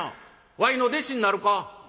わいの弟子になるか？」。